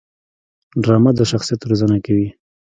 ډرامه د شخصیت روزنه کوي